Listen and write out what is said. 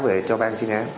về cho bang chinh án